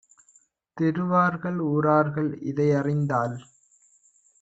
தெருவார்கள் ஊரார்கள் இதையறிந்தால்